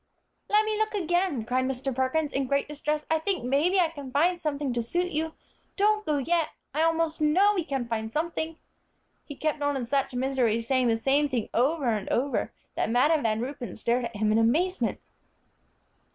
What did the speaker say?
"Let me look again," cried Mr. Perkins, in great distress, "I think maybe I can find something to suit you. Don't go yet, I almost know we can find something," he kept on in such misery, saying the same thing over and over, that Madam Van Ruypen stared at him in amazement.